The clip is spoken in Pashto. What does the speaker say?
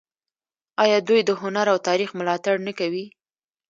آیا دوی د هنر او تاریخ ملاتړ نه کوي؟